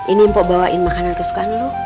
ini mpok bawain makanan tusukan lu